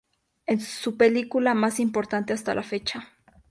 Es su película más importante hasta la fecha.